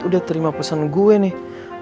udah terima pesan gue nih